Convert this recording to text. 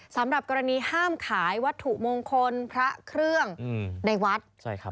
สำหรับกรณีห้ามขายวัตถุมงคลพระเครื่องในวัด